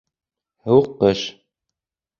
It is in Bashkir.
Һыуыҡ ҡыш